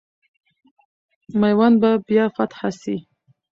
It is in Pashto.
میوند به بیا فتح سي.